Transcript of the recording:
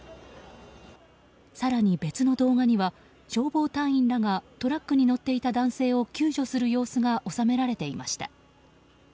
更に別の動画には、消防隊員らがトラックに乗っていた男性を救助する様子が収められていました。